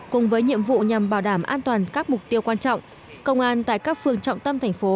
cùng với nhiệm vụ nhằm bảo đảm an toàn các mục tiêu quan trọng công an tại các phường trọng tâm thành phố